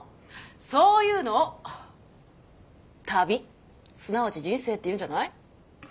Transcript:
そういうのを旅すなわち人生って言うんじゃない？